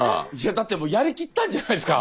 だってやりきったんじゃないですか？